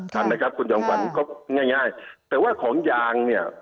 คันนะครับคุณจองฝันก็ง่ายแต่ว่าของยางเนี่ย